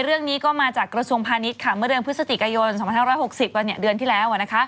เรื่องนี้ก็มาจากกระทรวงพาณิชย์เมื่อเดือนพฤศจิกายน๒๕๖๐เดือนที่แล้ว